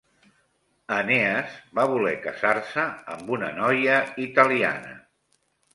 Enees va voler casar-se amb una noia italiana.